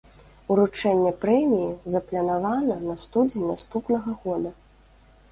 Уручэнне прэміі запланавана на студзень наступнага года.